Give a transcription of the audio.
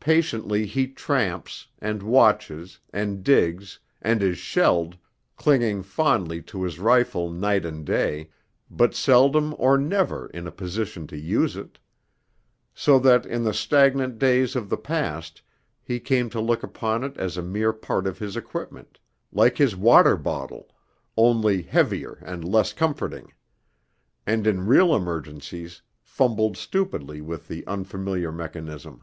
Patiently he tramps, and watches, and digs, and is shelled, clinging fondly to his rifle night and day, but seldom or never in a position to use it; so that in the stagnant days of the past he came to look upon it as a mere part of his equipment, like his water bottle, only heavier and less comforting; and in real emergencies fumbled stupidly with the unfamiliar mechanism.